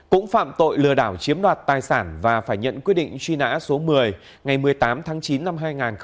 cũng phạm tội lừa đảo chiếm đoạt tài sản và phải nhận quyết định truy nã số một mươi ngày một mươi tám tháng chín năm hai nghìn một mươi